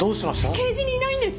ケージにいないんです。